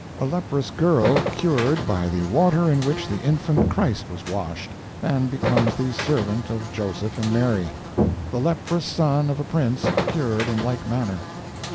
A leprous girl cured by the water in which the infant Christ was washed, and becomes the servant of Joseph and Mary. The leprous son of a Prince cured in like manner.